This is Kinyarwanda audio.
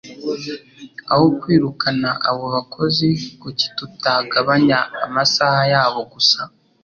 Aho kwirukana abo bakozi, kuki tutagabanya amasaha yabo gusa?